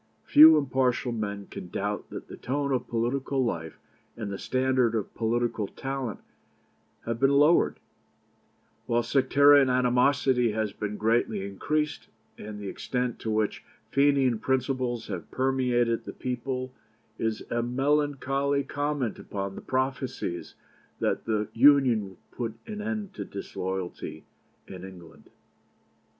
Few impartial men can doubt that the tone of political life and the standard of political talent have been lowered, while sectarian animosity has been greatly increased, and the extent to which Fenian principles have permeated the people is a melancholy comment upon the prophesies that the Union would put an end to disloyalty in Ireland."